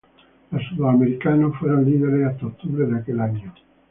Los sudamericanos fueron líderes hasta octubre de aquel año.